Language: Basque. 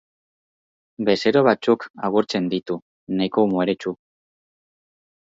Bezero batzuk agurtzen ditu, nahiko umoretsu.